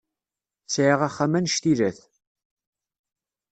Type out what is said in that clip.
Sɛiɣ axxam annect-ilat.